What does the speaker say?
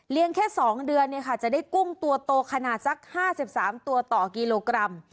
เลี้ยงแค่๒เดือนเนี่ยค่ะจะได้กุ้งตัวโตขนาดสัก๕๓ตัวต่อกิโลกรัม